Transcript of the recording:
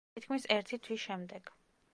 თითქმის ერთი თვის შემდეგ.